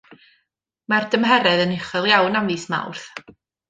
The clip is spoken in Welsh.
Mae'r dymheredd yn uchel iawn am fis Mawrth.